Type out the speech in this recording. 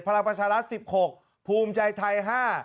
พลังประชารัฐ๑๖ภูมิใจไทย๕